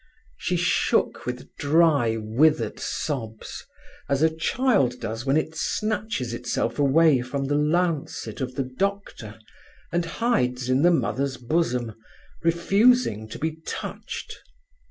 She shook with dry, withered sobs, as a child does when it snatches itself away from the lancet of the doctor and hides in the mother's bosom, refusing to be touched.